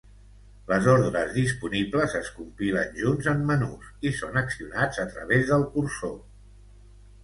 Les ordres disponibles es compilen junts en menús i són accionats a través del cursor.